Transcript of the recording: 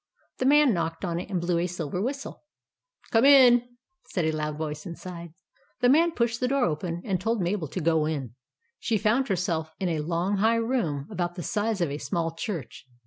The man knocked on it, and blew a silver whistle. " Come in !" said a loud voice inside. The man pushed the door open, and told Mabel to go in. She found herself in a long, high room, about the size of a small church.